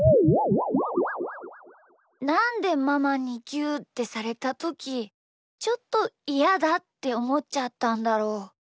なんでママにぎゅうってされたときちょっとイヤだっておもっちゃったんだろう。